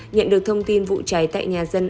nhận được thông tin vụ cháy tại nhà dân